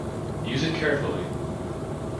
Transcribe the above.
Use it carefully.